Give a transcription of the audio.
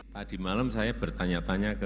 tadi malam saya bertanya tanya ke